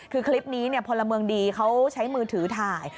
คือคลิปนี้พลเมืองดีเขาใช้มือถือถ่าย